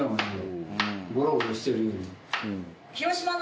ゴロゴロしてるよりも。